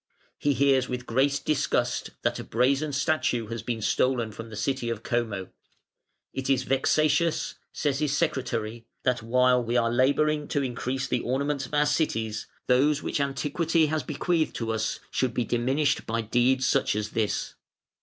He hears with great disgust that a brazen statue has been stolen from the city of Como. "It is vexatious" says his Secretary, "that while we are labouring to increase the ornaments of our cities, those which Antiquity has bequeathed to us should be diminished by such deeds as this".